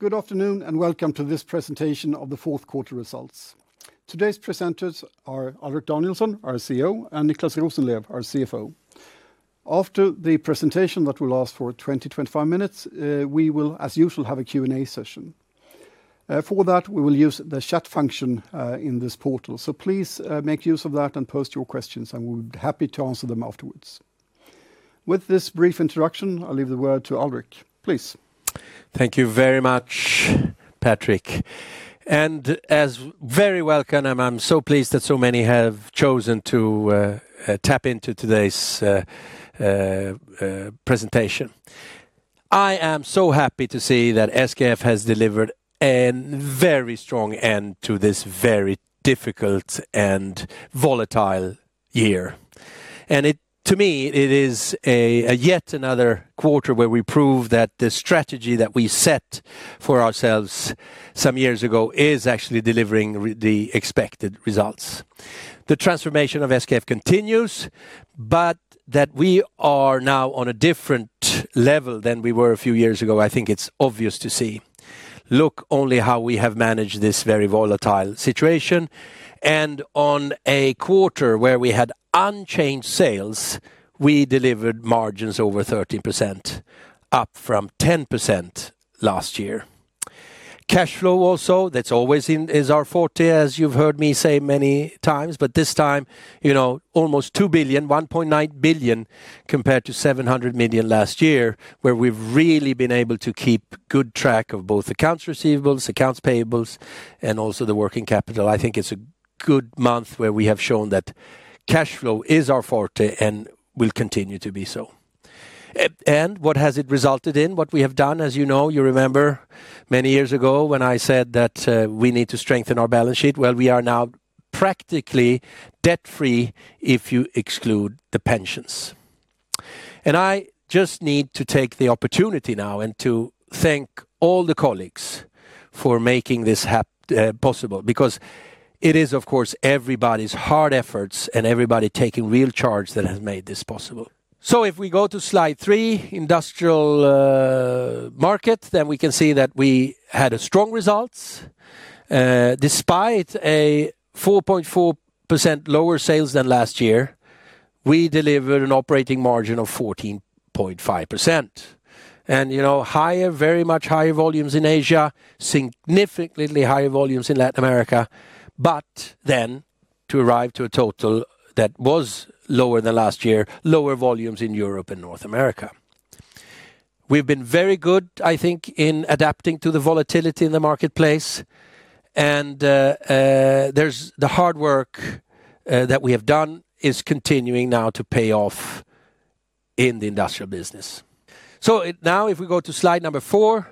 Good afternoon, and welcome to this presentation of the fourth quarter results. Today's presenters are Alrik Danielson, our CEO, and Niclas Rosenlew, our CFO. After the presentation that will last for 20-25 minutes, we will, as usual, have a Q&A session. For that, we will use the chat function in this portal. Please make use of that and post your questions, and we'll be happy to answer them afterwards. With this brief introduction, I'll leave the word to Alrik, please. Thank you very much, Patrik. Very welcome. I'm so pleased that so many have chosen to tap into today's presentation. I am so happy to see that SKF has delivered a very strong end to this very difficult and volatile year. To me, it is yet another quarter where we prove that the strategy that we set for ourselves some years ago is actually delivering the expected results. The transformation of SKF continues, but that we are now on a different level than we were a few years ago, I think it's obvious to see. Look only how we have managed this very volatile situation, and on a quarter where we had unchanged sales, we delivered margins over 13%, up from 10% last year. Cash flow, that's always our forte, as you've heard me say many times, but this time almost 2 billion, 1.9 billion compared to 700 million last year, where we've really been able to keep good track of both accounts receivables, accounts payables, and also the working capital. I think it's a good month where we have shown that cash flow is our forte and will continue to be so. What has it resulted in? What we have done, as you know, you remember many years ago when I said that we need to strengthen our balance sheet. We are now practically debt-free if you exclude the pensions. I just need to take the opportunity now and to thank all the colleagues for making this possible because it is, of course, everybody's hard efforts and everybody taking real charge that has made this possible. If we go to slide three, industrial market, we can see that we had strong results. Despite a 4.4% lower sales than last year, we delivered an operating margin of 14.5%. Very much higher volumes in Asia, significantly higher volumes in Latin America. To arrive to a total that was lower than last year, lower volumes in Europe and North America. We've been very good, I think, in adapting to the volatility in the marketplace. The hard work that we have done is continuing now to pay off in the industrial business. If we go to slide number four,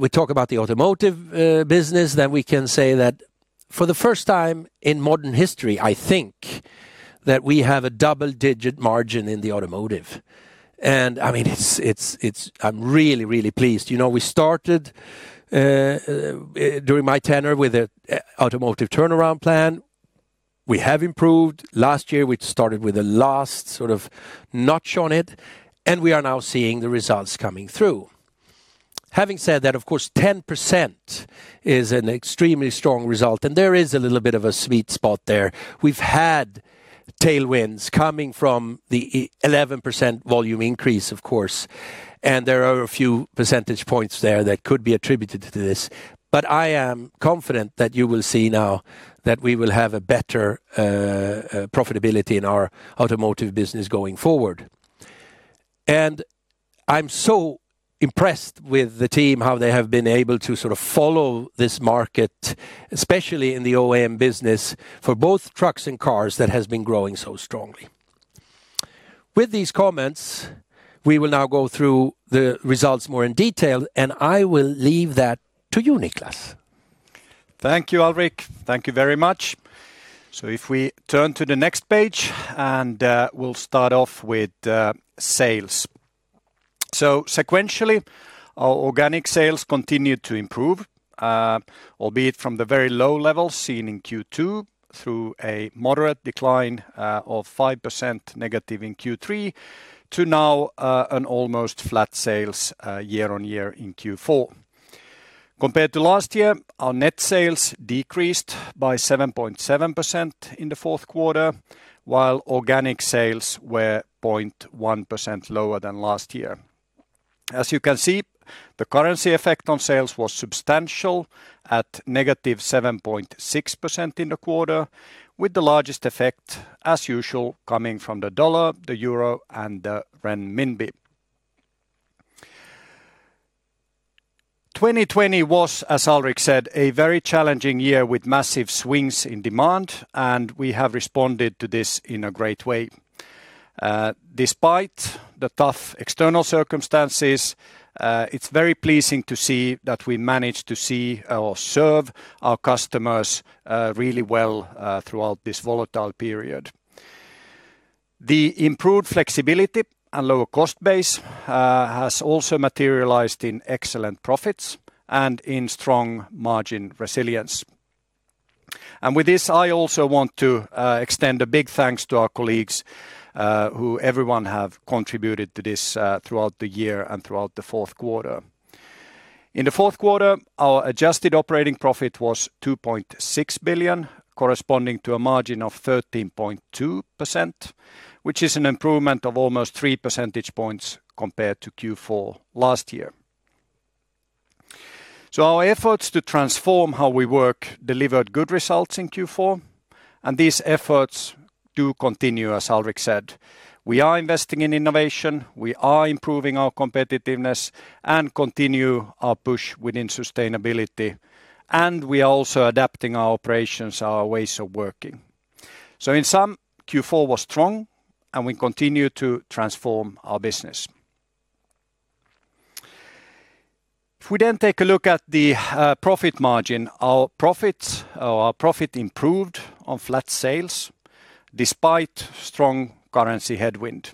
we talk about the automotive business. We can say that for the first time in modern history, I think, that we have a double-digit margin in the automotive. I'm really pleased. We started during my tenure with an automotive turnaround plan. We have improved. Last year, we started with a last sort of notch on it, and we are now seeing the results coming through. Having said that, of course, 10% is an extremely strong result, and there is a little bit of a sweet spot there. We've had tailwinds coming from the 11% volume increase, of course, and there are a few percentage points there that could be attributed to this. I am confident that you will see now that we will have a better profitability in our automotive business going forward. I'm so impressed with the team, how they have been able to sort of follow this market, especially in the OEM business, for both trucks and cars that has been growing so strongly. With these comments, we will now go through the results more in detail, and I will leave that to you, Niclas. Thank you, Alrik. Thank you very much. If we turn to the next page, and we'll start off with sales. Sequentially, our organic sales continued to improve, albeit from the very low levels seen in Q2 through a moderate decline of 5% negative in Q3 to now an almost flat sales year-on-year in Q4. Compared to last year, our net sales decreased by 7.7% in the fourth quarter, while organic sales were 0.1% lower than last year. As you can see, the currency effect on sales was substantial at negative 7.6% in the quarter, with the largest effect, as usual, coming from the dollar, the euro, and the renminbi. 2020 was, as Alrik said, a very challenging year with massive swings in demand, and we have responded to this in a great way. Despite the tough external circumstances, it is very pleasing to see that we managed to serve our customers really well throughout this volatile period. The improved flexibility and lower cost base has also materialized in excellent profits and in strong margin resilience. With this, I also want to extend a big thanks to our colleagues, who everyone have contributed to this throughout the year and throughout the fourth quarter. In the fourth quarter, our adjusted operating profit was 2.6 billion, corresponding to a margin of 13.2%, which is an improvement of almost three percentage points compared to Q4 last year. Our efforts to transform how we work delivered good results in Q4, and these efforts do continue, as Alrik said. We are investing in innovation, we are improving our competitiveness and continue our push within sustainability, and we are also adapting our operations, our ways of working. In sum, Q4 was strong and we continue to transform our business. If we then take a look at the profit margin, our profit improved on flat sales despite strong currency headwind.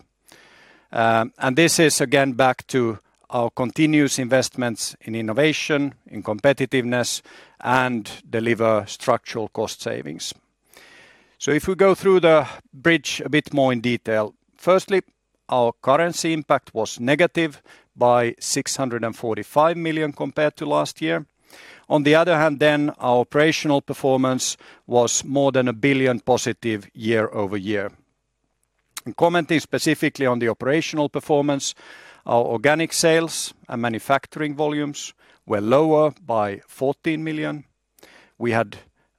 This is, again, back to our continuous investments in innovation, in competitiveness, and deliver structural cost savings. If we go through the bridge a bit more in detail, firstly, our currency impact was negative by 645 million compared to last year. On the other hand then, our operational performance was more than 1 billion positive year-over-year. Commenting specifically on the operational performance, our organic sales and manufacturing volumes were lower by 14 million. We had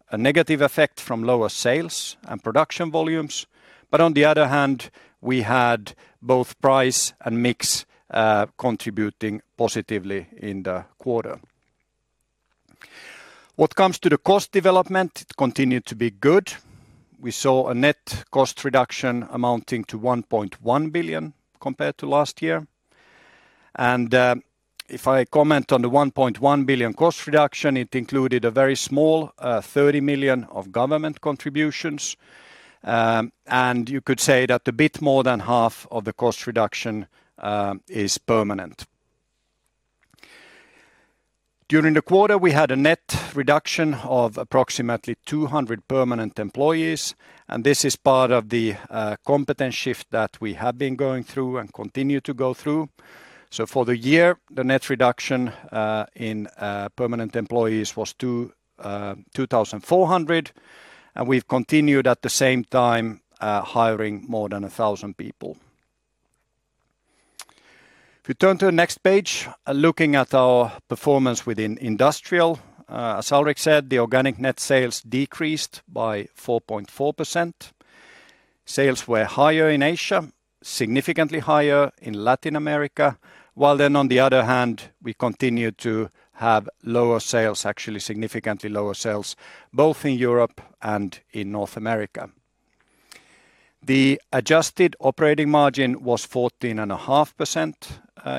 a negative effect from lower sales and production volumes, but on the other hand, we had both price and mix contributing positively in the quarter. What comes to the cost development, it continued to be good. We saw a net cost reduction amounting to 1.1 billion compared to last year. If I comment on the 1.1 billion cost reduction, it included a very small 30 million of government contributions. You could say that a bit more than half of the cost reduction is permanent. During the quarter, we had a net reduction of approximately 200 permanent employees, and this is part of the competence shift that we have been going through and continue to go through. For the year, the net reduction in permanent employees was 2,400, and we've continued at the same time hiring more than 1,000 people. If we turn to the next page, looking at our performance within Industrial, as Alrik said, the organic net sales decreased by 4.4%. Sales were higher in Asia, significantly higher in Latin America. On the other hand, we continued to have lower sales, actually significantly lower sales, both in Europe and in North America. The adjusted operating margin was 14.5%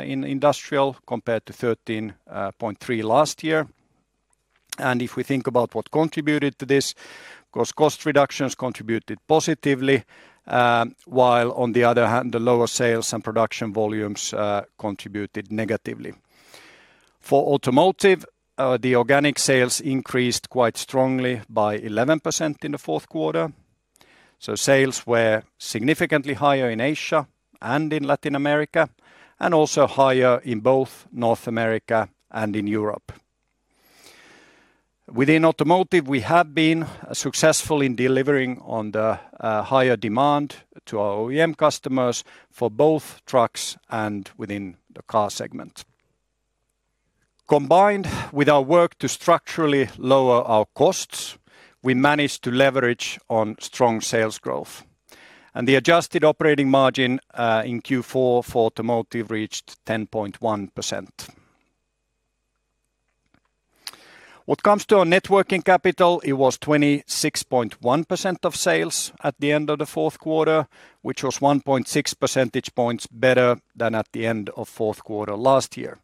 in Industrial compared to 13.3% last year. If we think about what contributed to this, of course cost reductions contributed positively, while on the other hand, the lower sales and production volumes contributed negatively. For Automotive, the organic sales increased quite strongly by 11% in the fourth quarter. Sales were significantly higher in Asia and in Latin America, and also higher in both North America and in Europe. Within Automotive, we have been successful in delivering on the higher demand to our OEM customers for both trucks and within the car segment. Combined with our work to structurally lower our costs, we managed to leverage on strong sales growth. The adjusted operating margin in Q4 for Automotive reached 10.1%. What comes to our net working capital, it was 26.1% of sales at the end of the fourth quarter, which was 1.6 percentage points better than at the end of fourth quarter last year.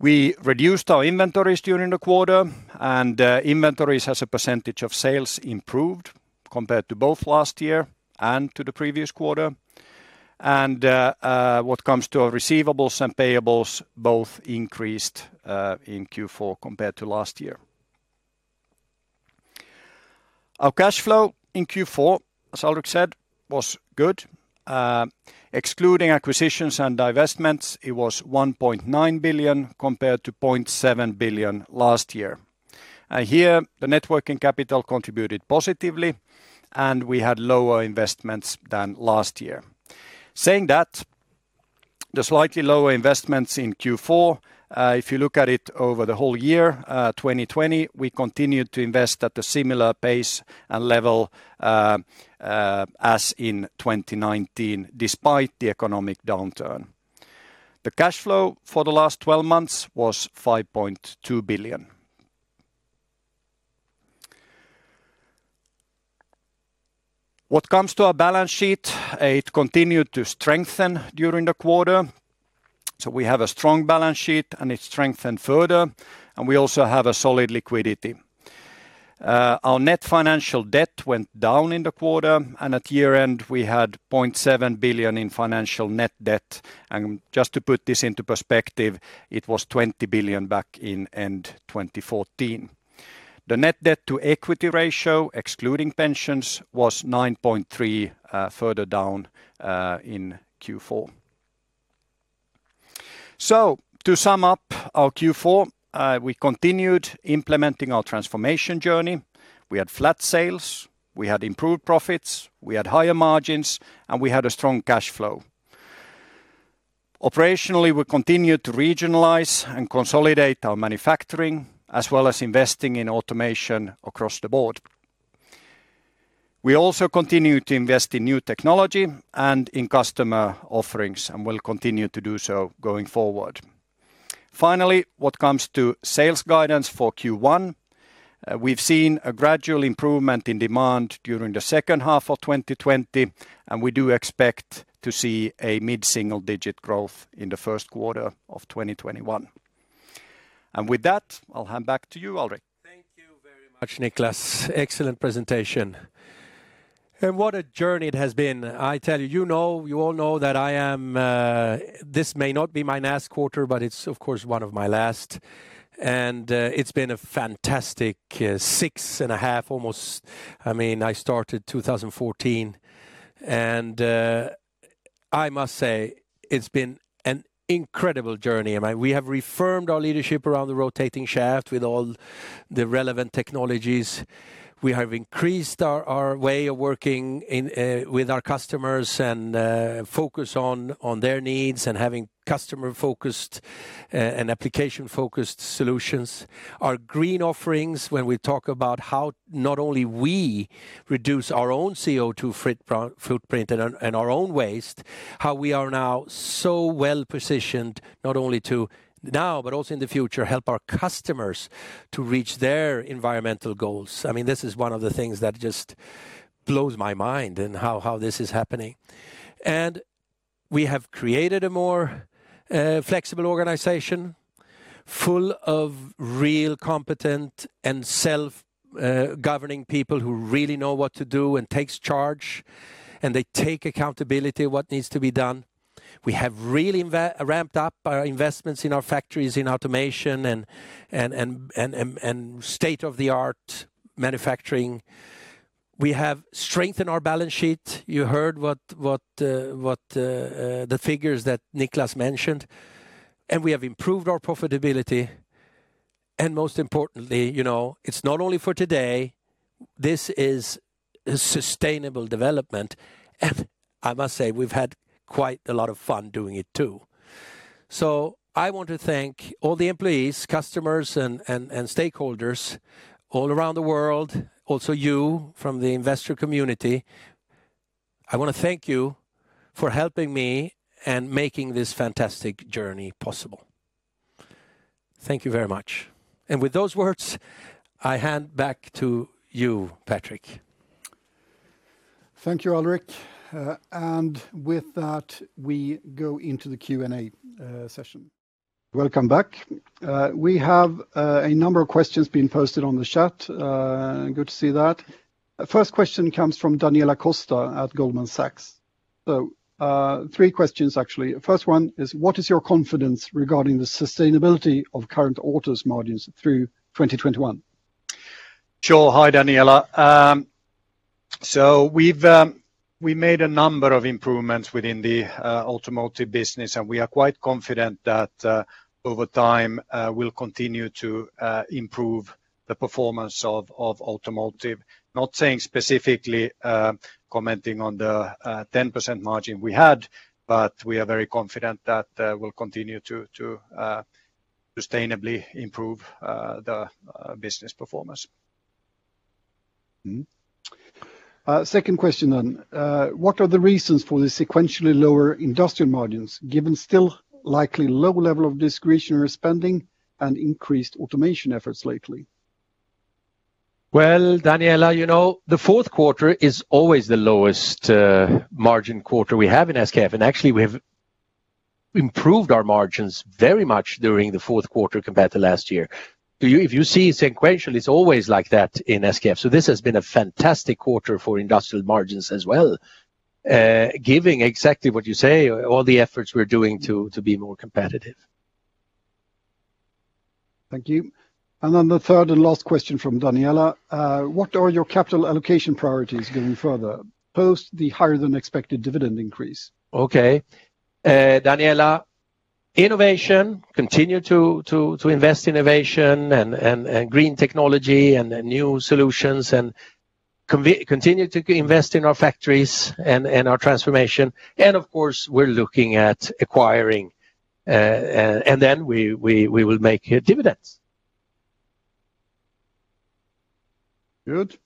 We reduced our inventories during the quarter, and inventories as a percentage of sales improved compared to both last year and to the previous quarter. What comes to our receivables and payables, both increased in Q4 compared to last year. Our cash flow in Q4, as Alrik said, was good. Excluding acquisitions and divestments, it was 1.9 billion compared to 0.7 billion last year. Here, the net working capital contributed positively, and we had lower investments than last year. The slightly lower investments in Q4, if you look at it over the whole year, 2020, we continued to invest at a similar pace and level as in 2019 despite the economic downturn. The cash flow for the last 12 months was 5.2 billion. What comes to our balance sheet, it continued to strengthen during the quarter. We have a strong balance sheet and it strengthened further, we also have a solid liquidity. Our net financial debt went down in the quarter, and at year-end, we had 0.7 billion in financial net debt. Just to put this into perspective, it was 20 billion back in end 2014. The net debt to equity ratio, excluding pensions, was 9.3 further down in Q4. To sum up our Q4, we continued implementing our transformation journey. We had flat sales, we had improved profits, we had higher margins, and we had a strong cash flow. Operationally, we continued to regionalize and consolidate our manufacturing, as well as investing in automation across the board. We also continue to invest in new technology and in customer offerings. We will continue to do so going forward. Finally, what comes to sales guidance for Q1, we've seen a gradual improvement in demand during the second half of 2020. We do expect to see a mid-single-digit growth in the first quarter of 2021. With that, I'll hand back to you, Alrik. Thank you very much, Niclas. Excellent presentation. What a journey it has been. I tell you all know that this may not be my last quarter, but it's of course one of my last, and it's been a fantastic six and a half almost. I started 2014, and I must say it's been an incredible journey. We have firmed our leadership around the rotating shaft with all the relevant technologies. We have increased our way of working with our customers and focus on their needs and having customer-focused and application-focused solutions. Our green offerings, when we talk about how not only we reduce our own CO2 footprint and our own waste, how we are now so well positioned not only to now but also in the future help our customers to reach their environmental goals. This is one of the things that just blows my mind in how this is happening. We have created a more flexible organization full of really competent and self-governing people who really know what to do and take charge, and they take accountability what needs to be done. We have really ramped up our investments in our factories, in automation, and state-of-the-art manufacturing. We have strengthened our balance sheet. You heard the figures that Niclas mentioned, and we have improved our profitability. Most importantly, it's not only for today, this is a sustainable development. I must say, we've had quite a lot of fun doing it too. I want to thank all the employees, customers, and stakeholders all around the world, also you from the investor community. I want to thank you for helping me and making this fantastic journey possible. Thank you very much. With those words, I hand back to you, Patrik. Thank you, Alrik. With that, we go into the Q&A session. Welcome back. We have a number of questions being posted on the chat. Good to see that. First question comes from Daniela Costa at Goldman Sachs. Three questions actually. First one is, what is your confidence regarding the sustainability of current orders margins through 2021? Sure. Hi, Daniela. We've made a number of improvements within the automotive business, and we are quite confident that over time we'll continue to improve the performance of automotive. Not saying specifically commenting on the 10% margin we had, but we are very confident that we'll continue to sustainably improve the business performance. Second question. What are the reasons for the sequentially lower industrial margins given still likely low level of discretionary spending and increased automation efforts lately? Well, Daniela, the fourth quarter is always the lowest margin quarter we have in SKF. Actually, we have improved our margins very much during the fourth quarter compared to last year. If you see sequentially, it's always like that in SKF. This has been a fantastic quarter for industrial margins as well, given exactly what you say, all the efforts we're doing to be more competitive. Thank you. The third and last question from Daniela. What are your capital allocation priorities going further post the higher than expected dividend increase? Okay. Daniela, innovation, continue to invest innovation and green technology and new solutions and continue to invest in our factories and our transformation. Of course, we're looking at acquiring, we will make dividends. Good.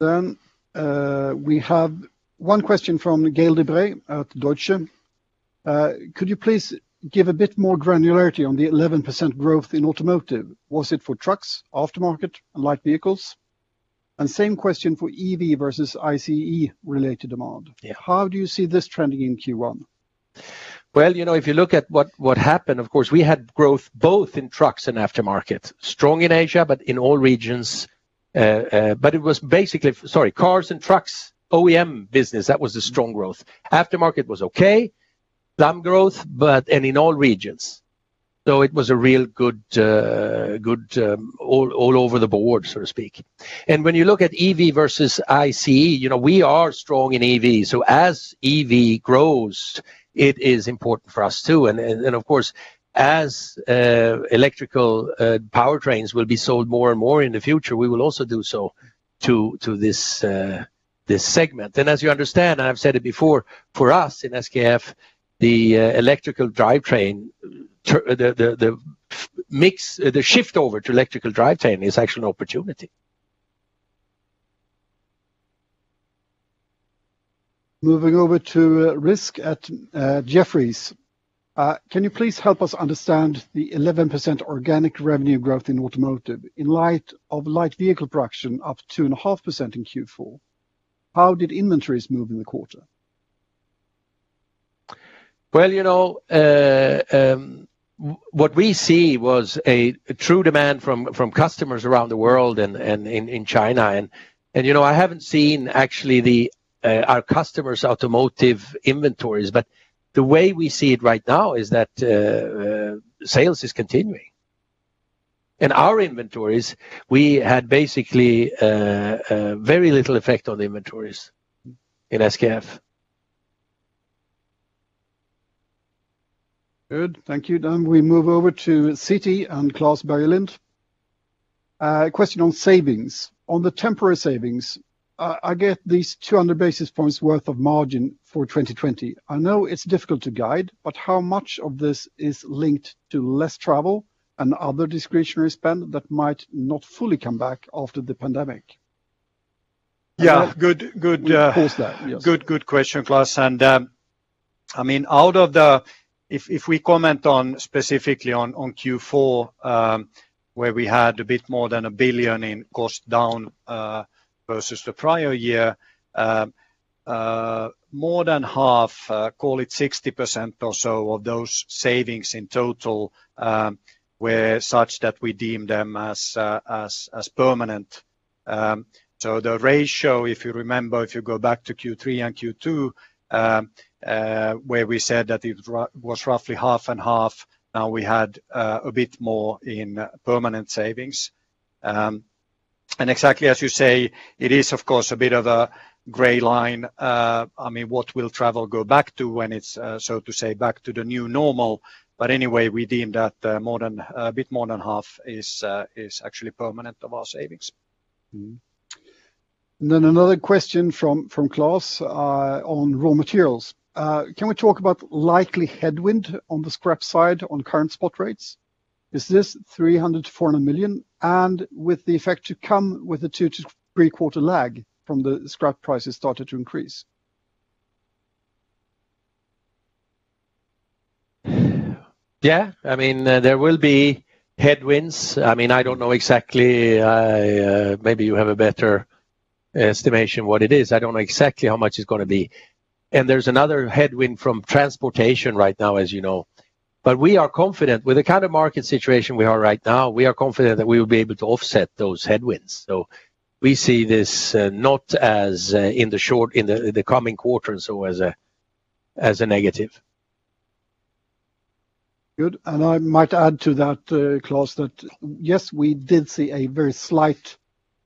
We have one question from Gael de Bray at Deutsche. Could you please give a bit more granularity on the 11% growth in automotive? Was it for trucks, aftermarket, and light vehicles? Same question for EV versus ICE-related demand. Yeah. How do you see this trending in Q1? Well, if you look at what happened, of course, we had growth both in trucks and aftermarket. Strong in Asia, in all regions. It was basically Sorry, cars and trucks, OEM business, that was the strong growth. Aftermarket was okay plus growth, in all regions. It was real good all over the board, so to speak. When you look at EV versus ICE, we are strong in EV. As EV grows, it is important for us too. Of course, as electrical powertrains will be sold more and more in the future, we will also do so to this segment. As you understand, and I've said it before, for us in SKF, the electrical drivetrain, the shift over to electrical drivetrain is actually an opportunity. Moving over to Rizk at Jefferies. Can you please help us understand the 11% organic revenue growth in automotive in light of light vehicle production up 2.5% in Q4? How did inventories move in the quarter? What we see was a true demand from customers around the world and in China. I haven't seen actually our customers' automotive inventories, the way we see it right now is that sales is continuing. In our inventories, we had basically very little effect on the inventories in SKF. Good. Thank you. We move over to Citi and Klas Bergelind. A question on savings. On the temporary savings, I get these 200 basis points worth of margin for 2020. I know it's difficult to guide, but how much of this is linked to less travel and other discretionary spend that might not fully come back after the pandemic? Yeah. We pause there, yes. Good question, Klas. If we comment specifically on Q4, where we had a bit more than 1 billion in cost down versus the prior year, more than half, call it 60% or so of those savings in total, were such that we deemed them as permanent. The ratio, if you remember, if you go back to Q3 and Q2, where we said that it was roughly half and half, now we had a bit more in permanent savings. Exactly as you say, it is of course a bit of a gray line. What will travel go back to when it's, so to say, back to the new normal? Anyway, we deemed that a bit more than half is actually permanent of our savings. Another question from Klas on raw materials. Can we talk about likely headwind on the scrap side on current spot rates? Is this 300 million-400 million with the effect to come with a two to three quarter lag from the scrap prices started to increase? Yeah. There will be headwinds. I don't know exactly. Maybe you have a better estimation what it is. I don't know exactly how much it's going to be. There's another headwind from transportation right now, as you know. With the kind of market situation we are right now, we are confident that we will be able to offset those headwinds. We see this not as in the coming quarter and so as a negative. Good. I might add to that, Klas, that, yes, we did see a very slight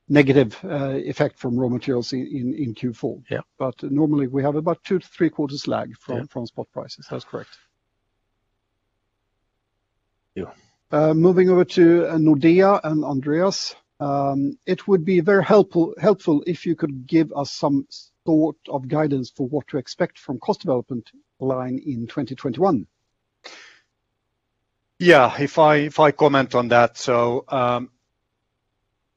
negative effect from raw materials in Q4. Yeah. Normally we have about two to three quarters lag. Yeah. From spot prices. That's correct. Yeah. Moving over to Nordea and Andreas. It would be very helpful if you could give us some sort of guidance for what to expect from cost development line in 2021. Yeah. If I comment on that.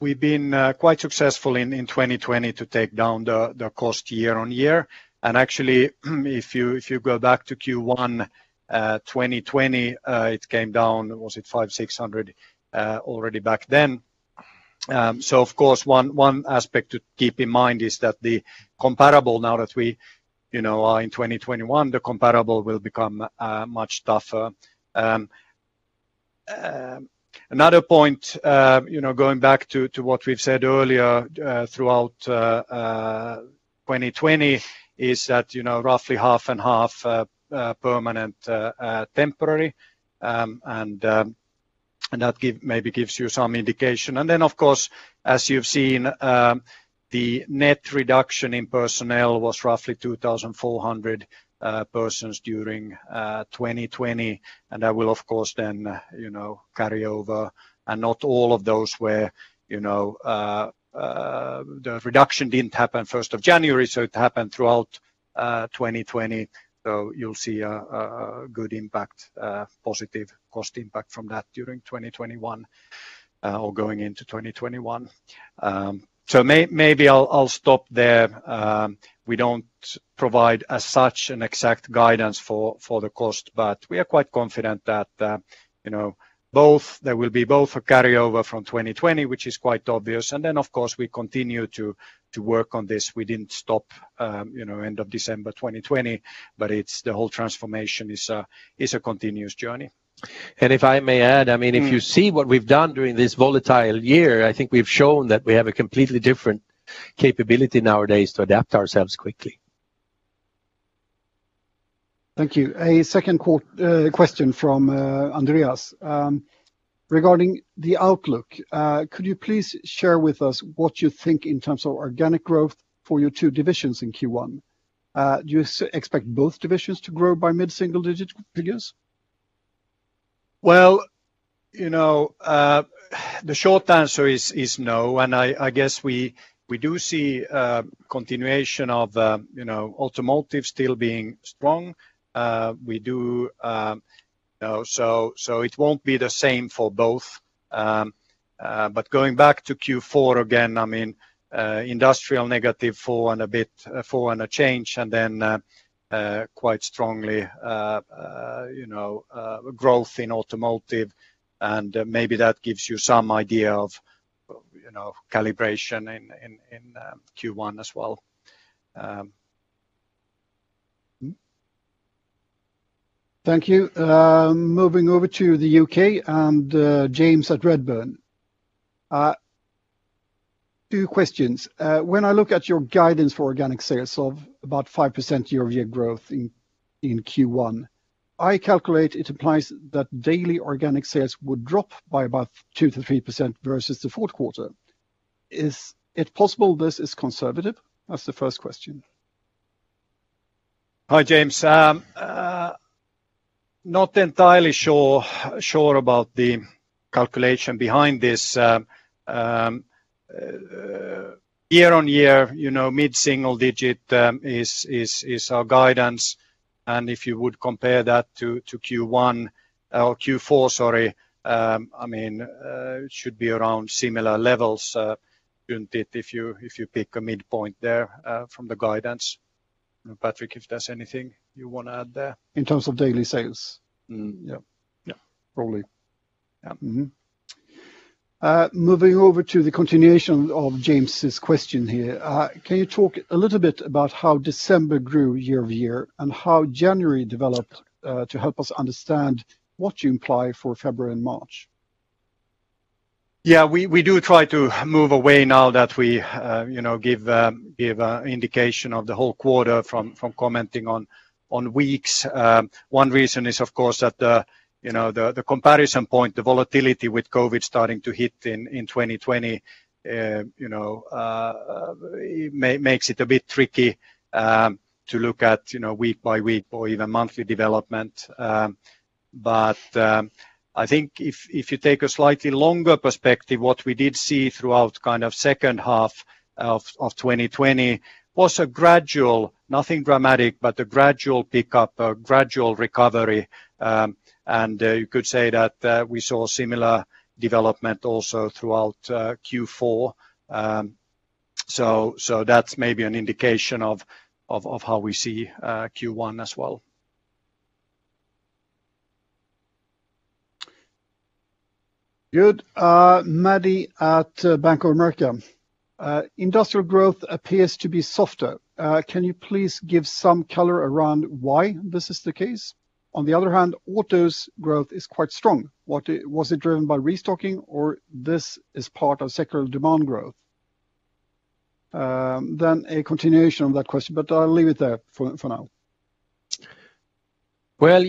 We've been quite successful in 2020 to take down the cost year-on-year. Actually, if you go back to Q1 2020, it came down, was it 500, 600 already back then? Of course, one aspect to keep in mind is that the comparable, now that we are in 2021, the comparable will become much tougher. Another point, going back to what we've said earlier, throughout 2020 is that roughly half and half permanent, temporary, and that maybe gives you some indication. Of course, as you've seen, the net reduction in personnel was roughly 2,400 persons during 2020. That will, of course, then carry over. Not all of those where the reduction didn't happen 1st of January, so it happened throughout 2020. You'll see a good impact, a positive cost impact from that during 2021 or going into 2021. Maybe I'll stop there. We don't provide as such an exact guidance for the cost, but we are quite confident that there will be both a carryover from 2020, which is quite obvious, and then, of course, we continue to work on this. We didn't stop end of December 2020, but the whole transformation is a continuous journey. If I may add, if you see what we've done during this volatile year, I think we've shown that we have a completely different capability nowadays to adapt ourselves quickly. Thank you. A second question from Andreas regarding the outlook. Could you please share with us what you think in terms of organic growth for your two divisions in Q1? Do you expect both divisions to grow by mid-single digit figures? The short answer is no. I guess we do see a continuation of automotive still being strong. It won't be the same for both. Going back to Q4 again, industrial negative four and a change. Quite strongly growth in automotive, and maybe that gives you some idea of calibration in Q1 as well. Thank you. Moving over to the U.K. and James at Redburn. Two questions. When I look at your guidance for organic sales of about 5% year-over-year growth in Q1, I calculate it implies that daily organic sales would drop by about 2%-3% versus the fourth quarter. Is it possible this is conservative? That's the first question. Hi, James. Not entirely sure about the calculation behind this. Year-on-year, mid-single digit is our guidance, and if you would compare that to Q4, it should be around similar levels, shouldn't it, if you pick a midpoint there from the guidance. Patrik, if there's anything you want to add there. In terms of daily sales. Yeah. Probably. Yeah. Moving over to the continuation of James question here. Can you talk a little bit about how December grew year-over-year and how January developed to help us understand what you imply for February and March? Yeah, we do try to move away now that we give indication of the whole quarter from commenting on weeks. One reason is, of course, that the comparison point, the volatility with COVID starting to hit in 2020 makes it a bit tricky to look at week-by-week or even monthly development. I think if you take a slightly longer perspective, what we did see throughout second half of 2020 was a gradual, nothing dramatic, but a gradual pickup, a gradual recovery. You could say that we saw similar development also throughout Q4. That's maybe an indication of how we see Q1 as well. Good. Maddy at Bank of America. Industrial growth appears to be softer. Can you please give some color around why this is the case? On the other hand, autos growth is quite strong. Was it driven by restocking, or this is part of secular demand growth? A continuation of that question, but I'll leave it there for now. What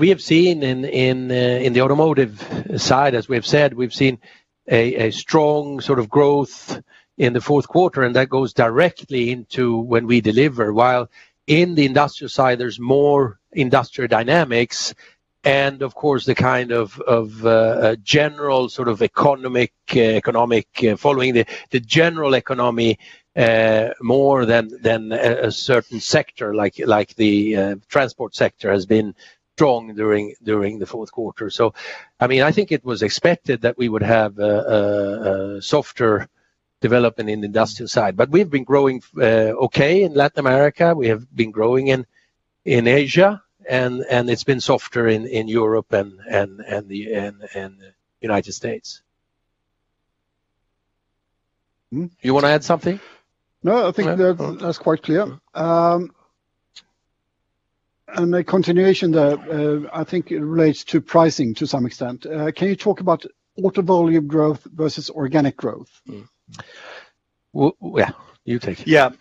we have seen in the automotive side, as we have said, we've seen a strong growth in the fourth quarter, and that goes directly into when we deliver, while in the industrial side, there's more industrial dynamics and, of course, following the general economy more than a certain sector like the transport sector has been strong during the fourth quarter. I think it was expected that we would have a softer development in the industrial side. We've been growing okay in Latin America, we have been growing in Asia, and it's been softer in Europe and U.S. You want to add something? I think that's quite clear. A continuation that I think relates to pricing to some extent. Can you talk about auto volume growth versus organic growth? Well, yeah. You take it.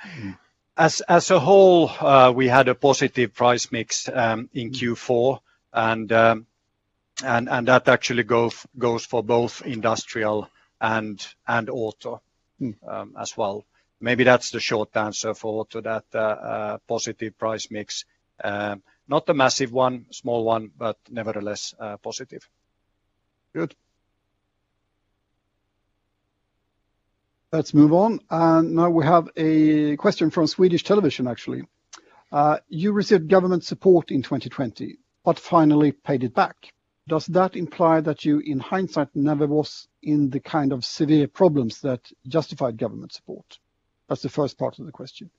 As a whole, we had a positive price mix in Q4. That actually goes for both industrial and auto as well. Maybe that's the short answer for that positive price mix. Not a massive one, small one. Nevertheless positive. Good. Let's move on. Now we have a question from Swedish Television, actually. You received government support in 2020, but finally paid it back. Does that imply that you, in hindsight, never was in the kind of severe problems that justified government support? That's the first part of the question.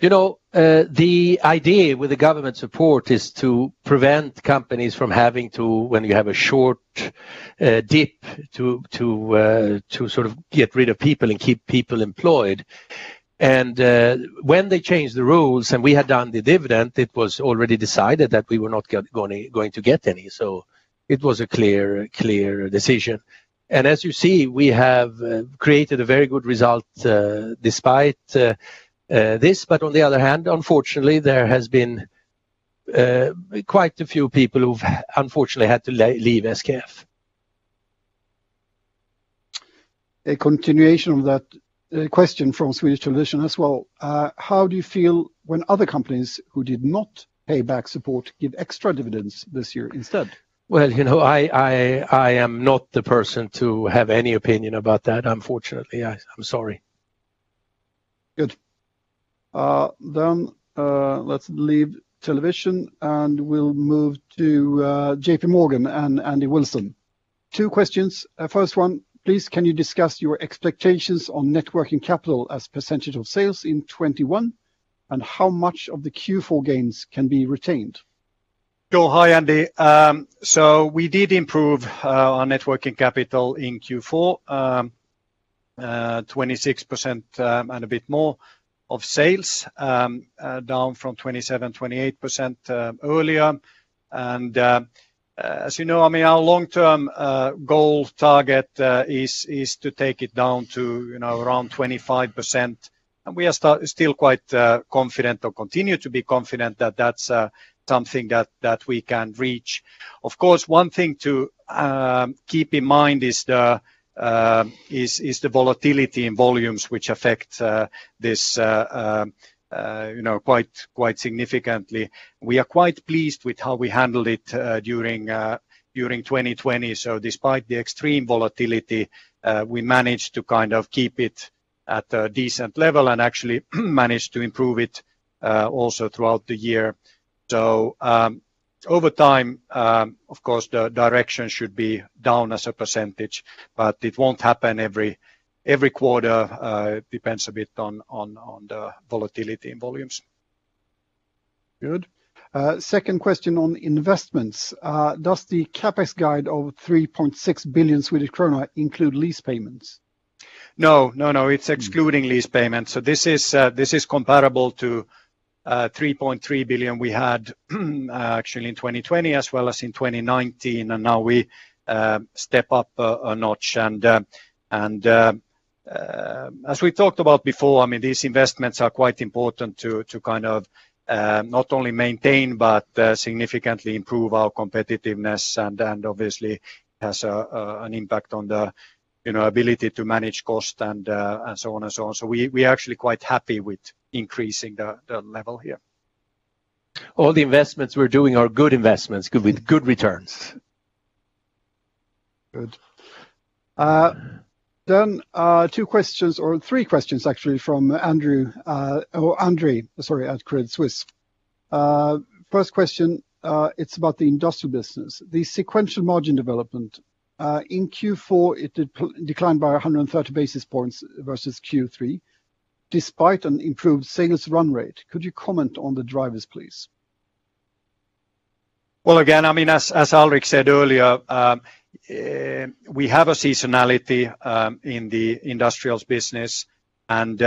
The idea with the government support is to prevent companies from having to, when you have a short dip, to get rid of people and keep people employed. When they changed the rules and we had done the dividend, it was already decided that we were not going to get any. It was a clear decision. As you see, we have created a very good result despite this. On the other hand, unfortunately, there has been quite a few people who've unfortunately had to leave SKF. A continuation of that question from Swedish Television as well. How do you feel when other companies who did not pay back support give extra dividends this year instead? Well, I am not the person to have any opinion about that, unfortunately. I'm sorry. Good. Let's leave television and we'll move to JPMorgan and Andy Wilson. Two questions. First one, please can you discuss your expectations on net working capital as percentage of sales in 2021, and how much of the Q4 gains can be retained? Sure. Hi, Andy. We did improve our net working capital in Q4, 26% and a bit more of sales, down from 27%, 28% earlier. As you know, our long-term goal target is to take it down to around 25%. We are still quite confident or continue to be confident that that's something that we can reach. Of course, one thing to keep in mind is the volatility in volumes which affect this quite significantly. We are quite pleased with how we handled it during 2020. Despite the extreme volatility, we managed to kind of keep it at a decent level and actually managed to improve it also throughout the year. Over time, of course, the direction should be down as a percentage, but it won't happen every quarter. It depends a bit on the volatility in volumes. Good. Second question on investments. Does the CapEx guide of 3.6 billion Swedish krona include lease payments? No. It's excluding lease payments. This is comparable to 3.3 billion we had actually in 2020 as well as in 2019. Now we step up a notch. As we talked about before, these investments are quite important to not only maintain but significantly improve our competitiveness and obviously has an impact on the ability to manage cost and so on. We are actually quite happy with increasing the level here. All the investments we're doing are good investments with good returns. Good. Two questions or three questions actually from Andre, sorry, at Credit Suisse. First question, it's about the industrial business. The sequential margin development. In Q4, it declined by 130 basis points versus Q3, despite an improved sales run rate. Could you comment on the drivers, please? Well, again, as Alrik said earlier, we have a seasonality in the industrials business, and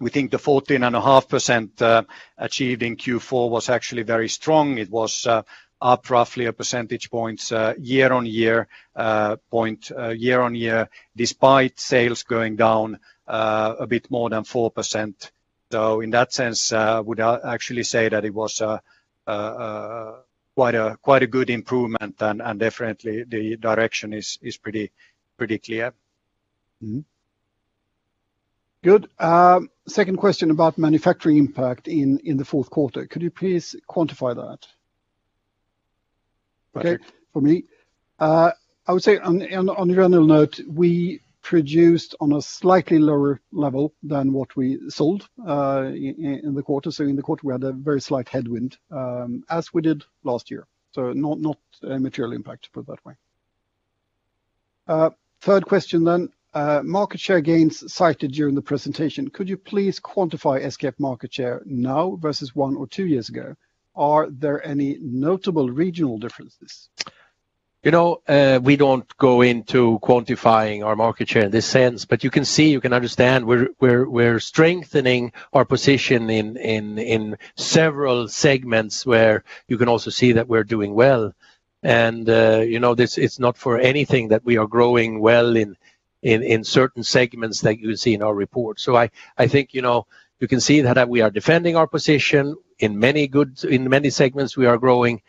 we think the 14.5% achieved in Q4 was actually very strong. It was up roughly a percentage points year-on-year despite sales going down a bit more than 4%. In that sense, would actually say that it was quite a good improvement, and definitely the direction is pretty clear. Good. Second question about manufacturing impact in the fourth quarter. Could you please quantify that? For me? I would say on a general note, we produced on a slightly lower level than what we sold in the quarter. In the quarter, we had a very slight headwind, as we did last year. Not a material impact, put it that way. Third question. Market share gains cited during the presentation. Could you please quantify SKF market share now versus one or two years ago? Are there any notable regional differences? We don't go into quantifying our market share in this sense, but you can see, you can understand we're strengthening our position in several segments where you can also see that we're doing well. It's not for anything that we are growing well in certain segments that you see in our report. I think you can see that we are defending our position. In many segments we are growing,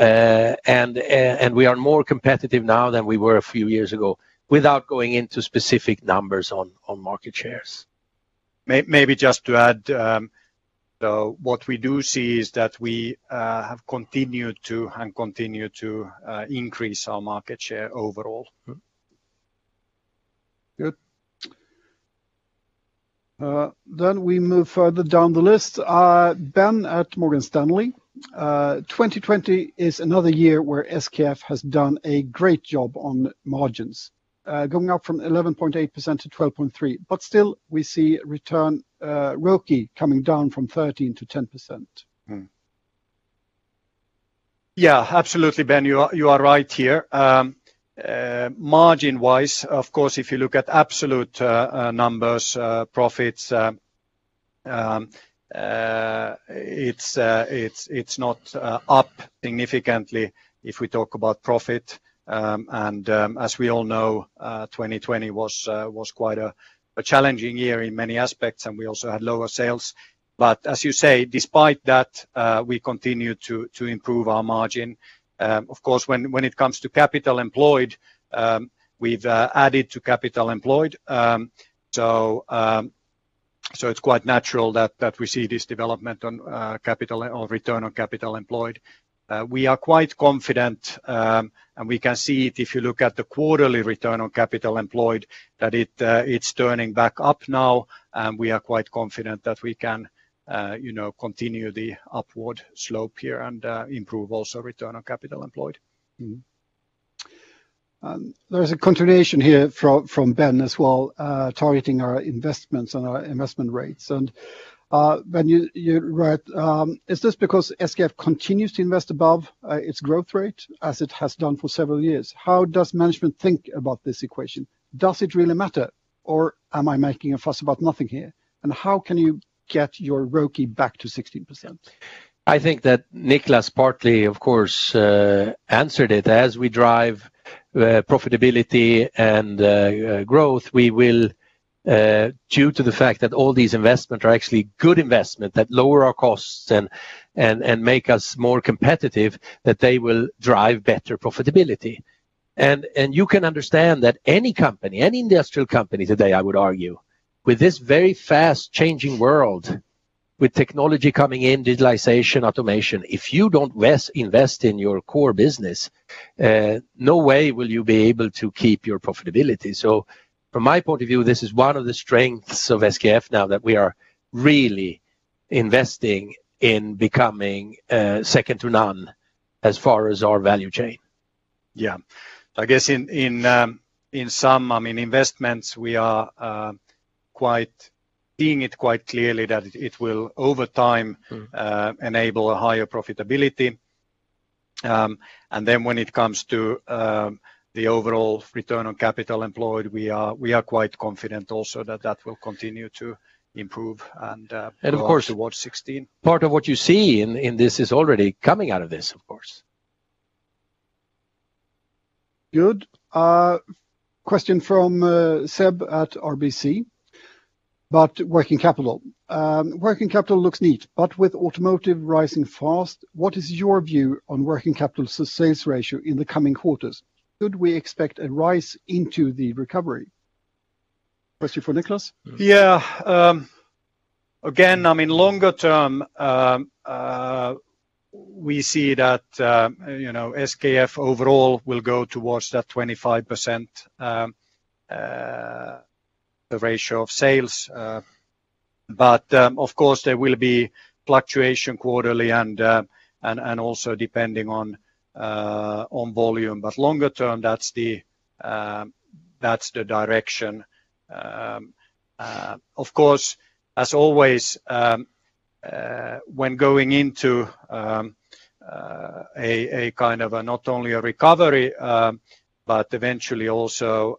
and we are more competitive now than we were a few years ago, without going into specific numbers on market shares. Maybe just to add, what we do see is that we have continued to and continue to increase our market share overall. Good. We move further down the list. Ben at Morgan Stanley. 2020 is another year where SKF has done a great job on margins, going up from 11.8%-12.3%. Still, we see return, ROCE, coming down from 13%-10%. Yeah, absolutely, Ben, you are right here. Margin-wise, of course, if you look at absolute numbers, profits, it's not up significantly if we talk about profit. As we all know, 2020 was quite a challenging year in many aspects, and we also had lower sales. As you say, despite that, we continue to improve our margin. Of course, when it comes to capital employed, we've added to capital employed. It's quite natural that we see this development on return on capital employed. We are quite confident, and we can see it if you look at the quarterly return on capital employed, that it's turning back up now. We are quite confident that we can continue the upward slope here and improve also return on capital employed. There is a continuation here from Ben as well, targeting our investments and our investment rates. Ben, you write, "Is this because SKF continues to invest above its growth rate as it has done for several years? How does management think about this equation? Does it really matter, or am I making a fuss about nothing here? And how can you get your ROCE back to 16%? I think that Niclas partly, of course, answered it. As we drive profitability and growth, due to the fact that all these investments are actually good investment that lower our costs and make us more competitive, that they will drive better profitability. You can understand that any company, any industrial company today, I would argue, with this very fast-changing world, with technology coming in, digitalization, automation, if you don't invest in your core business, no way will you be able to keep your profitability. From my point of view, this is one of the strengths of SKF now that we are really investing in becoming second to none as far as our value chain. Yeah. I guess in some investments, we are seeing it quite clearly that it will, over time, enable a higher profitability. When it comes to the overall return on capital employed, we are quite confident also that that will continue to improve. And of course. Towards 16. Part of what you see in this is already coming out of this, of course. Good. A question from Seb at RBC about working capital. "Working capital looks neat, but with automotive rising fast, what is your view on working capital sales ratio in the coming quarters? Could we expect a rise into the recovery?" Question for Niclas. Yeah. Again, longer term, we see that SKF overall will go towards that 25% the ratio of sales. Of course, there will be fluctuation quarterly and also depending on volume. Longer term, that's the direction. Of course, as always, when going into a kind of not only a recovery but eventually also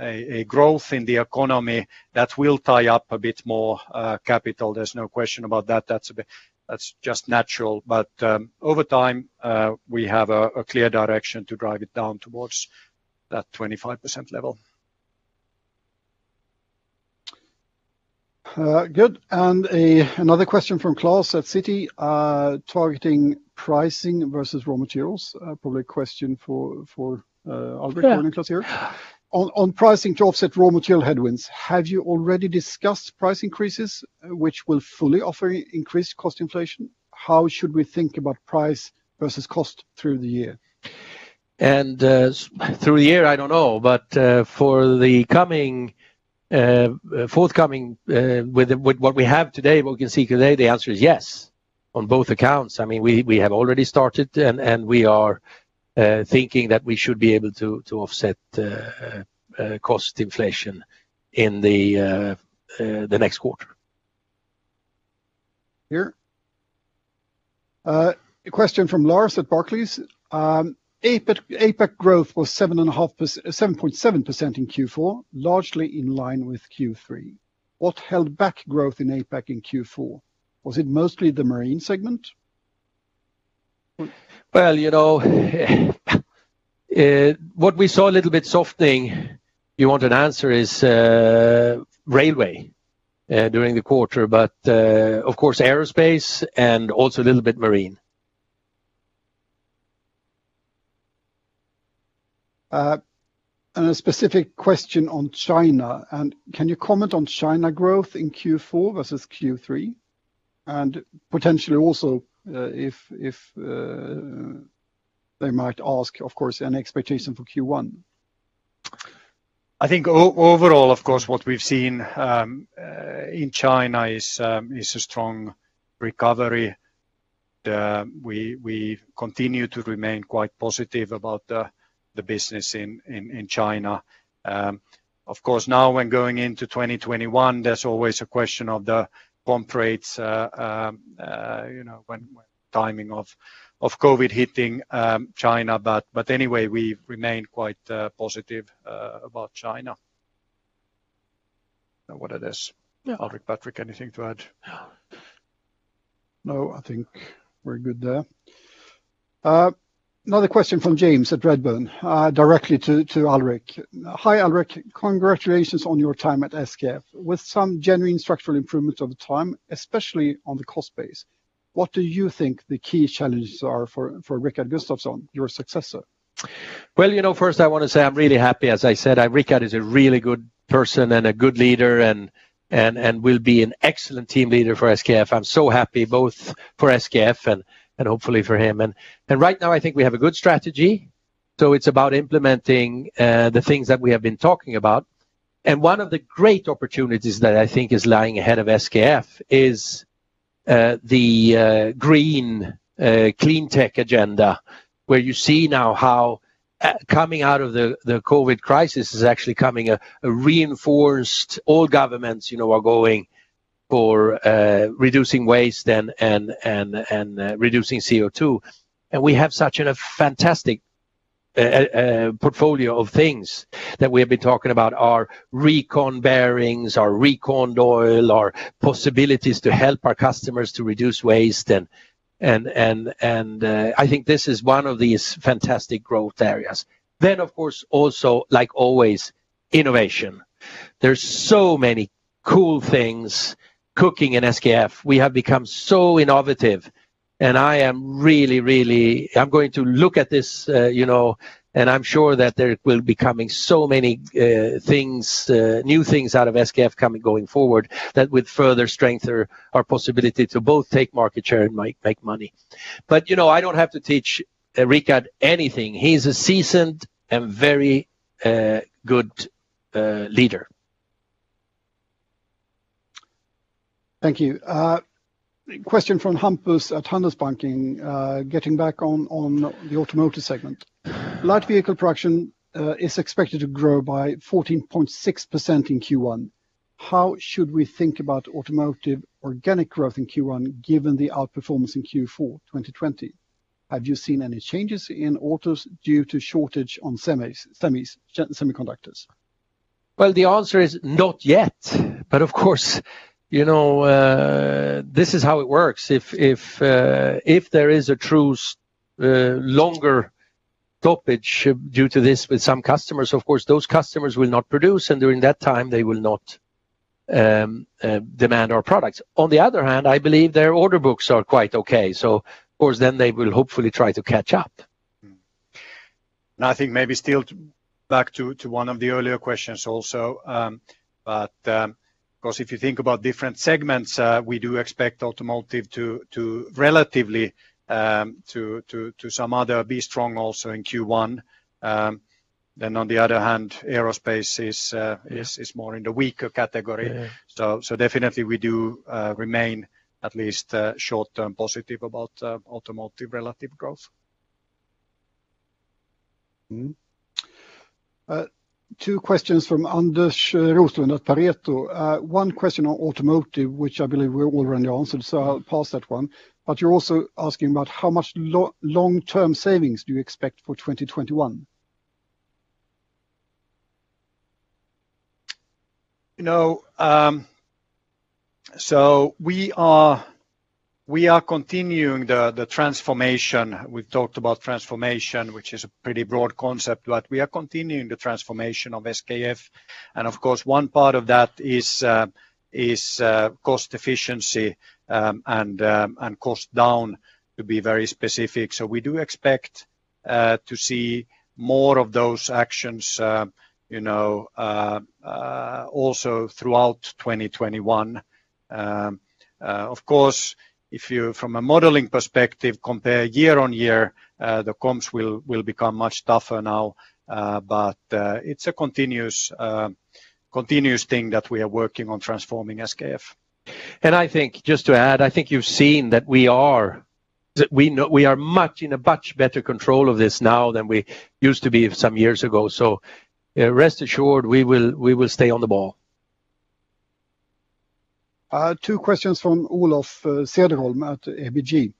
a growth in the economy, that will tie up a bit more capital. There's no question about that. That's just natural. Over time, we have a clear direction to drive it down towards that 25% level. Good. Another question from Klas at Citi, targeting pricing versus raw materials. Probably a question for Alrik or Niclas here. Yeah. On pricing to offset raw material headwinds, have you already discussed price increases which will fully offer increased cost inflation? How should we think about price versus cost through the year? Through the year, I don't know. For the forthcoming with what we have today, what we can see today, the answer is yes on both accounts. We have already started, and we are thinking that we should be able to offset cost inflation in the next quarter. Here. A question from Lars at Barclays. "APAC growth was 7.7% in Q4, largely in line with Q3. What held back growth in APAC in Q4? Was it mostly the Marine segment? Well, what we saw a little bit softening, you want an answer, is railway during the quarter. Of course, aerospace and also a little bit Marine. A specific question on China, and can you comment on China growth in Q4 versus Q3? Potentially also, if they might ask, of course, an expectation for Q1? I think overall, of course, what we've seen in China is a strong recovery. We continue to remain quite positive about the business in China. Of course, now when going into 2021, there's always a question of the comp rates, when timing of COVID hitting China. Anyway, we remain quite positive about China. What it is. Yeah. Alrik, Patrik, anything to add? No. No, I think we're good there. Another question from James at Redburn, directly to Alrik. "Hi Alrik, congratulations on your time at SKF. With some genuine structural improvement of the time, especially on the cost base, what do you think the key challenges are for Rickard Gustafson, your successor? Well, first I want to say I'm really happy. As I said, Rickard is a really good person and a good leader and will be an excellent team leader for SKF. I'm so happy both for SKF and hopefully for him. Right now I think we have a good strategy. It's about implementing the things that we have been talking about. One of the great opportunities that I think is lying ahead of SKF is the green, clean tech agenda, where you see now how coming out of the COVID crisis is actually coming reinforced. All governments are going for reducing waste and reducing CO2. We have such a fantastic portfolio of things that we have been talking about, our recon bearings, our RecondOil, our possibilities to help our customers to reduce waste, and I think this is one of these fantastic growth areas. Of course also, like always, innovation. There's so many cool things cooking in SKF. We have become so innovative, and I'm going to look at this, and I'm sure that there will be coming so many new things out of SKF going forward that would further strengthen our possibility to both take market share and make money. I don't have to teach Rickard anything. He's a seasoned and very good leader. Thank you. Question from Hampus at Handelsbanken. Getting back on the automotive segment. Light vehicle production is expected to grow by 14.6% in Q1. How should we think about automotive organic growth in Q1, given the outperformance in Q4 2020? Have you seen any changes in autos due to shortage on semiconductors? Well, the answer is not yet. Of course, this is how it works. If there is a true longer stoppage due to this with some customers, of course those customers will not produce, and during that time they will not demand our products. On the other hand, I believe their order books are quite okay, so of course then they will hopefully try to catch up. I think maybe still back to one of the earlier questions also. Of course if you think about different segments, we do expect automotive to relatively, to some other, be strong also in Q1. On the other hand, aerospace is. Yeah. More in the weaker category. Yeah. Definitely we do remain at least short-term positive about automotive relative growth. Two questions from Anders Roslund at Pareto. One question on automotive, which I believe we already answered, so I'll pass that one. You're also asking about how much long-term savings do you expect for 2021? We are continuing the transformation. We've talked about transformation, which is a pretty broad concept, but we are continuing the transformation of SKF. Of course, one part of that is cost efficiency, and cost down to be very specific. We do expect to see more of those actions also throughout 2021. Of course, if you, from a modeling perspective, compare year-on-year, the comps will become much tougher now. It's a continuous thing that we are working on transforming SKF. Just to add, I think you've seen that we are in a much better control of this now than we used to be some years ago. Rest assured we will stay on the ball. Two questions from Olof Cederholm at ABG.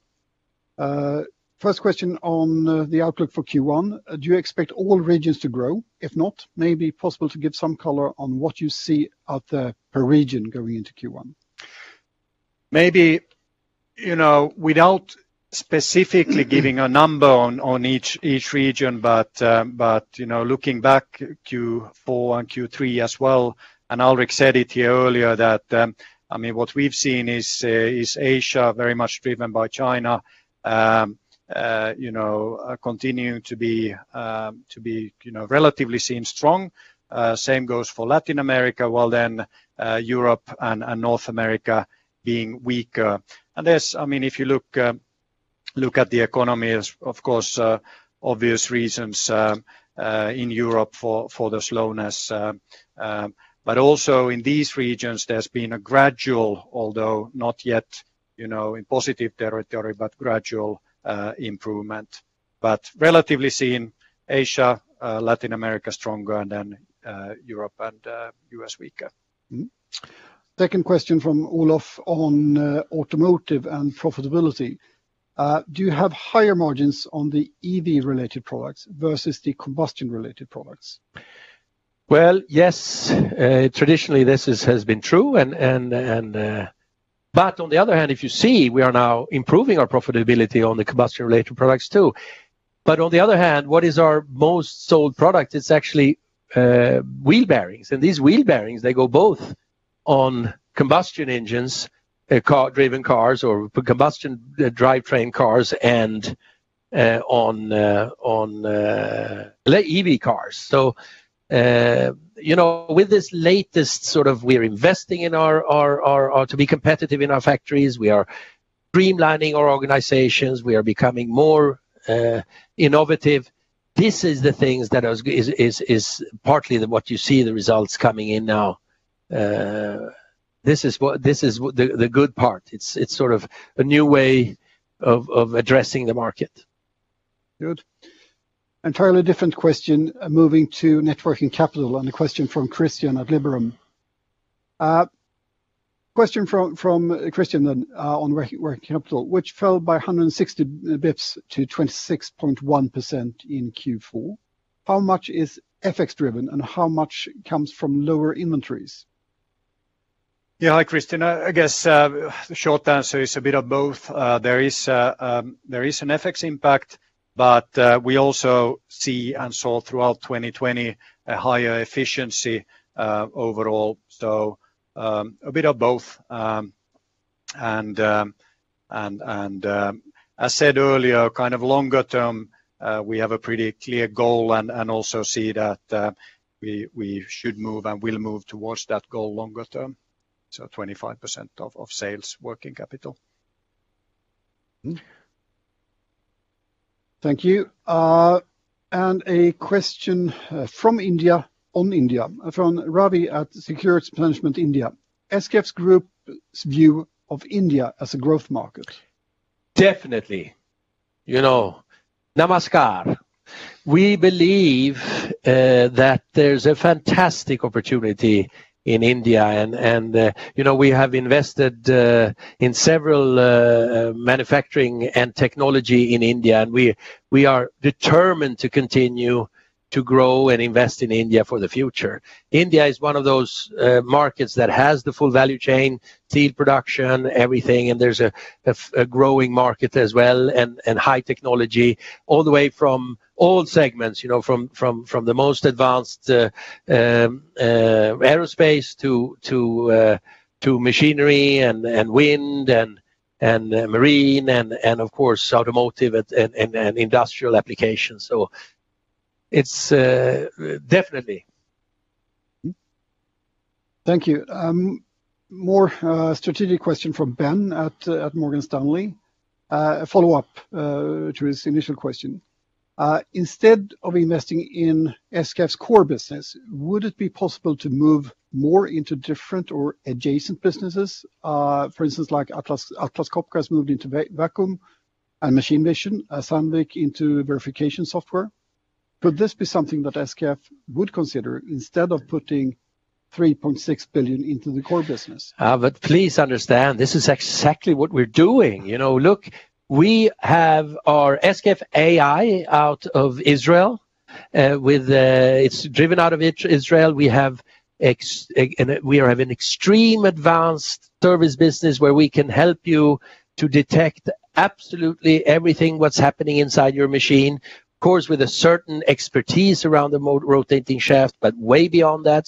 First question on the outlook for Q1, do you expect all regions to grow? If not, maybe possible to give some color on what you see out there per region going into Q1? Maybe without specifically giving a number on each region, looking back Q4 and Q3 as well, Alrik said it here earlier that what we've seen is Asia, very much driven by China, continuing to be relatively seen strong. Same goes for Latin America, while Europe and North America being weaker. If you look at the economy, of course, obvious reasons in Europe for the slowness. Also in these regions, there's been a gradual, although not yet in positive territory, gradual improvement. Relatively seen, Asia, Latin America stronger than Europe and U.S. weaker. Second question from Olof on automotive and profitability. Do you have higher margins on the EV-related products versus the combustion-related products? Well, yes. Traditionally, this has been true, on the other hand, if you see, we are now improving our profitability on the combustion-related products, too. On the other hand, what is our most sold product? It's actually wheel bearings. These wheel bearings, they go both on combustion engines, car-driven cars or combustion drivetrain cars and on EV cars. With this latest sort of we're investing to be competitive in our factories, we are streamlining our organizations, we are becoming more innovative. This is the things that is partly what you see the results coming in now. This is the good part. It's sort of a new way of addressing the market. Good. Entirely different question, moving to working capital, and a question from Christian at Liberum. Question from Christian then on working capital, which fell by 160 basis points to 26.1% in Q4. How much is FX driven and how much comes from lower inventories? Yeah. Hi, Christian. I guess the short answer is a bit of both. There is an FX impact, but we also see and saw throughout 2020 a higher efficiency overall, a bit of both. As said earlier, kind of longer term, we have a pretty clear goal and also see that we should move and will move towards that goal longer term, 25% of sales working capital. Thank you. A question from India on India, from Ravi at Securities Management India. SKF Group's view of India as a growth market? Definitely. Namaskar. We believe that there's a fantastic opportunity in India. We have invested in several manufacturing and technology in India, and we are determined to continue to grow and invest in India for the future. India is one of those markets that has the full value chain, steel production, everything, and there's a growing market as well, and high technology all the way from all segments. From the most advanced aerospace to machinery and wind and marine and of course automotive and industrial applications. It's definitely. Thank you. More strategic question from Ben at Morgan Stanley. A follow-up to his initial question. Instead of investing in SKF's core business, would it be possible to move more into different or adjacent businesses? For instance, like Atlas Copco has moved into vacuum and machine vision, Sandvik into verification software. Could this be something that SKF would consider instead of putting 3.6 billion into the core business? Please understand, this is exactly what we're doing. Look, we have our SKF AI out of Israel. It's driven out of Israel. We have an extreme advanced service business where we can help you to detect absolutely everything that's happening inside your machine. Of course, with a certain expertise around the rotating shaft, but way beyond that.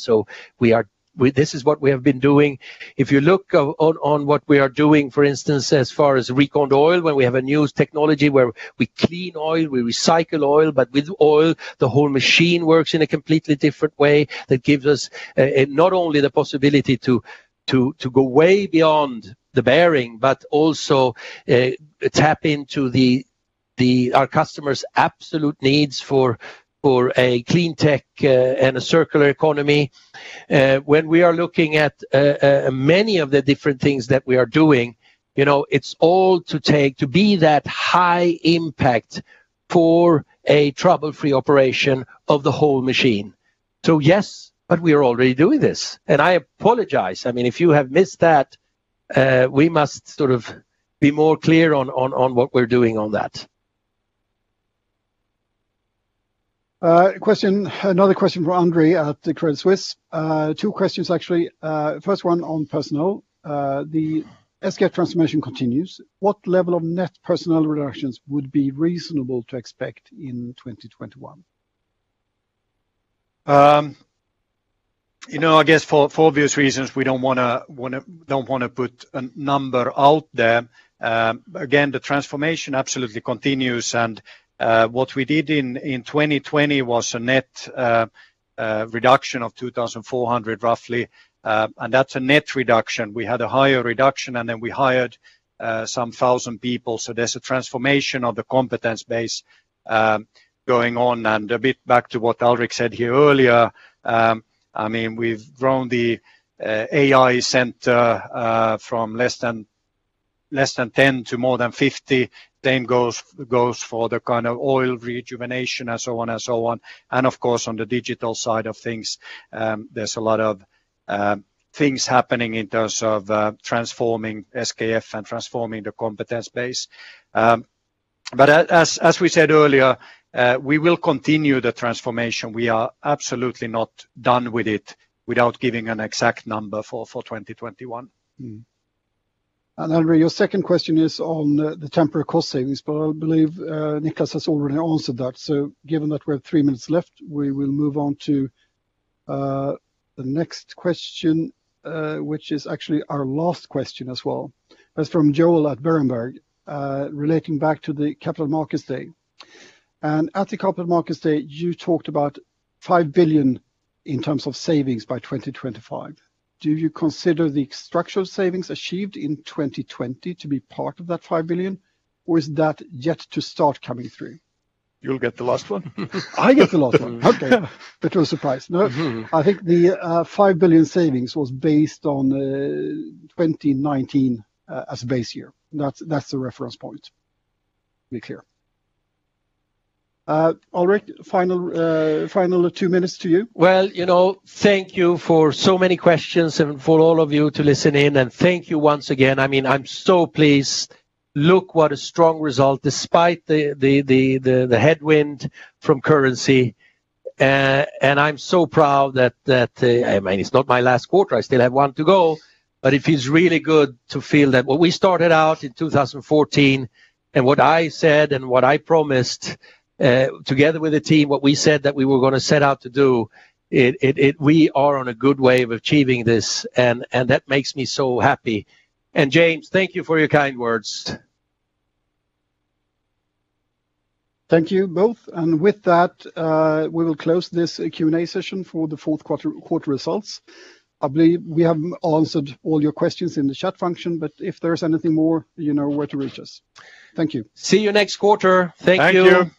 This is what we have been doing. If you look on what we are doing, for instance, as far as RecondOil, where we have a new technology where we clean oil, we recycle oil. With oil, the whole machine works in a completely different way. That gives us not only the possibility to go way beyond the bearing, but also tap into our customers absolute needs for a clean tech and a circular economy. When we are looking at many of the different things that we are doing, it's all to be that high impact for a trouble-free operation of the whole machine. Yes, we are already doing this, and I apologize. If you have missed that, we must sort of be more clear on what we're doing on that. Another question from Andre at Credit Suisse. Two questions, actually. First one on personnel. The SKF transformation continues. What level of net personnel reductions would be reasonable to expect in 2021? I guess for obvious reasons, we don't want to put a number out there. Again, the transformation absolutely continues. What we did in 2020 was a net reduction of 2,400, roughly. That's a net reduction. We had a higher reduction, and then we hired some 1,000 people. There's a transformation of the competence base going on. A bit back to what Alrik said here earlier, we've grown the AI center from less than 10 to more than 50. Same goes for the kind of oil rejuvenation and so on. Of course, on the digital side of things, there's a lot of things happening in terms of transforming SKF and transforming the competence base. As we said earlier, we will continue the transformation. We are absolutely not done with it without giving an exact number for 2021. Andre, your second question is on the temporary cost savings, but I believe Niclas has already answered that. Given that we have three minutes left, we will move on to the next question, which is actually our last question as well. That's from Joel at Berenberg, relating back to the Capital Markets Day. At the Capital Markets Day, you talked about 5 billion in terms of savings by 2025. Do you consider the structural savings achieved in 2020 to be part of that 5 billion, or is that yet to start coming through? You'll get the last one? I get the last one. Okay. Bit of a surprise. I think the 5 billion savings was based on 2019 as a base year. That's the reference point. To be clear. Alrik, final two minutes to you. Well, thank you for so many questions and for all of you to listen in. Thank you once again. I'm so pleased. Look what a strong result, despite the headwind from currency. I'm so proud that, it's not my last quarter, I still have one to go, but it feels really good to feel that what we started out in 2014 and what I said and what I promised, together with the team, what we said that we were going to set out to do, we are on a good way of achieving this. That makes me so happy. James, thank you for your kind words. Thank you both. With that, we will close this Q&A session for the fourth quarter results. I believe we have answered all your questions in the chat function, but if there's anything more, you know where to reach us. Thank you. See you next quarter. Thank you. Thank you.